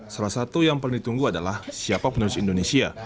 salah satu yang paling ditunggu adalah siapa penerus indonesia